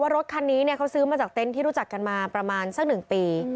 ว่ารถคันนี้เนี้ยเขาซื้อมาจากเต้นที่รู้จักกันมาประมาณสักหนึ่งปี